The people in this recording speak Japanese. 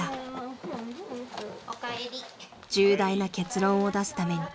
［重大な結論を出すために］